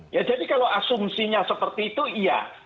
ya jadi kalau asumsinya seperti itu iya